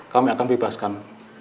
kami akan bebaskan